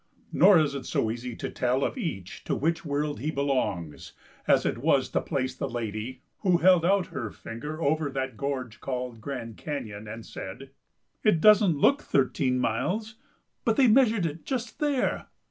Nor is it so easy to tell, of each, to which world he belongs, as it was to place the lady, who held out her finger over that gorge called Grand Canyon, and said: "It doesn't look thirteen miles; but they measured it just there!